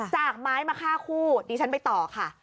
จากไม้มาฆ่าคู่ดิฉันไปต่อค่ะ